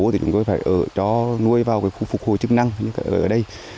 thì chúng tôi phải ở cho nuôi vào khu phục hồi chức năng như ở đây